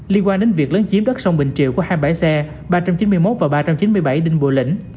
liên quan đến việc lấn chiếm đất sông bình triệu của hai bãi xe ba trăm chín mươi một ba trăm chín mươi bảy đinh bộ lĩnh